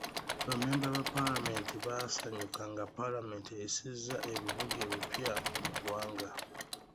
Ba mmemba ba paalamenti baasanyuka nga paalamenti eyisizza ebibuga ebipya mu ggwanga .